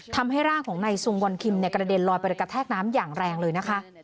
ทำให้ร่างของนายซุงวันคิมกระเด็นลอยไปกระแทกน้ำอย่างแรงเลยนะคะ